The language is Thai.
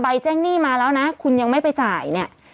แจ้งหนี้มาแล้วนะคุณยังไม่ไปจ่ายเนี่ย